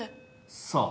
さあ？